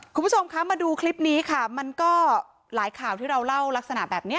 คุณผู้ชมคะมาดูคลิปนี้ค่ะมันก็หลายข่าวที่เราเล่าลักษณะแบบนี้